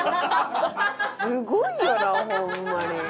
すごいよな！ホンマに。